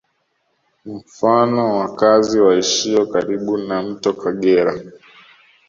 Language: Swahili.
Mfano wakazi waishio karibu na mto Kagera